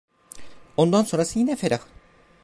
Ondan sonrası yine ferah!